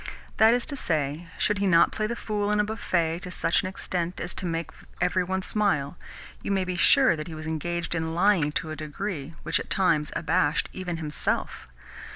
That is to say, should he not play the fool in a buffet to such an extent as to make every one smile, you may be sure that he was engaged in lying to a degree which at times abashed even himself.